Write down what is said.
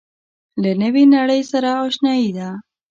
له نوې نړۍ سره آشنايي ده.